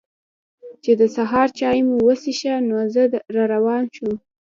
چې د سهار چای مو وڅښه نو زه را روان شوم.